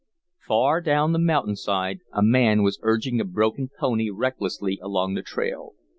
Far down the mountain side a man was urging a broken pony recklessly along the trail.